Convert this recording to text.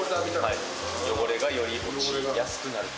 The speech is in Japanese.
汚れがより落ちやすくなると。